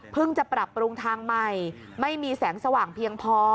จะปรับปรุงทางใหม่ไม่มีแสงสว่างเพียงพอ